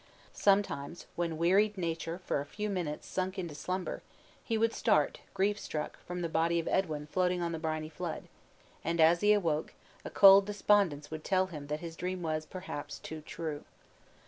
Sometimes, when wearied nature for a few minutes sunk into slumber, he would start, grief struck, from the body of Edwin floating on the briny flood, and as he awoke, a cold despondence would tell him that his dream was, perhaps, too true.